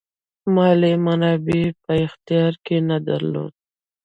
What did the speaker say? مالي منابع یې په اختیار کې نه درلودل.